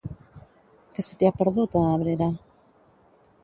Què se t'hi ha perdut, a Abrera?